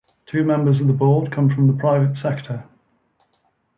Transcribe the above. Two members of the Board come from the private sector.